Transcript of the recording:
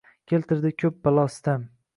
Keltirdi ko’p balo, sitam